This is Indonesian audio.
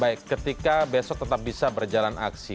baik ketika besok tetap bisa berjalan aksi